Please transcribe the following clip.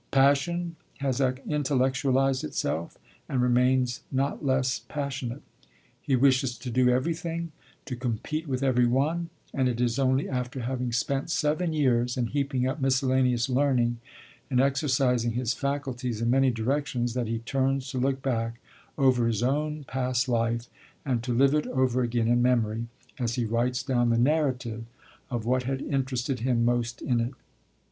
Passion has intellectualised itself, and remains not less passionate. He wishes to do everything, to compete with every one; and it is only after having spent seven years in heaping up miscellaneous learning, and exercising his faculties in many directions, that he turns to look back over his own past life, and to live it over again in memory, as he writes down the narrative of what had interested him most in it.